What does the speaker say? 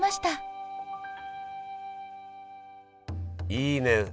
いいね。